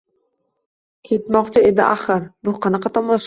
Ketmoqchi edi, axir! Bu qanaqa tomosha?